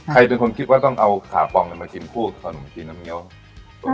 ใครเป็นคนคิดว่าต้องเอาขาปลอมมาชิมคู่ขนมจีนน้ำเงี้ยว